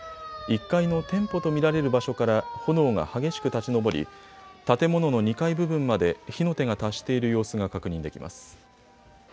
１階の店舗と見られる場所から炎が激しく立ち上り建物の２階部分まで火の手が達している様子が確認できます。